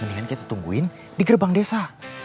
mendingan kita tungguin di gerbang desa